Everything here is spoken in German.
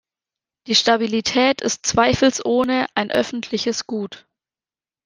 Die Stabilität ist zweifelsohne ein öffentliches Gut.